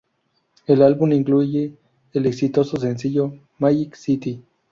El álbum incluye el exitoso sencillo "Magic City".